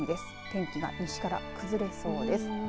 天気が西から崩れそうです。